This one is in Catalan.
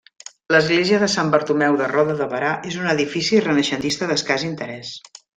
L'església de Sant Bartomeu de Roda de Berà és un edifici renaixentista d'escàs interès.